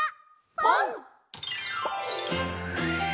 「ぽん」！